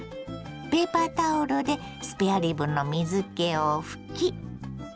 ペーパータオルでスペアリブの水けを拭き。